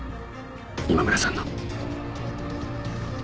今村さんの。